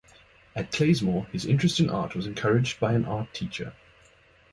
At Claysmore his interest in art was encouraged by an art teacher.